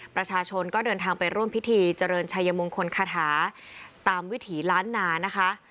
ประชาชนก็เดินทางไปร่วมพิธีเจริญชัยมงคลคาถาตามวิถีล้านนานะคะ